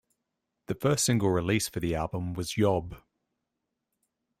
The first single released for the album was "Yob".